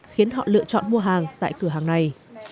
khiến họ lựa chọn mua hàng tại cửa hàng này